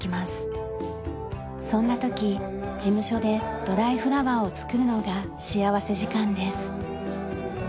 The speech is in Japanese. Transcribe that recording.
そんな時事務所でドライフラワーを作るのが幸福時間です。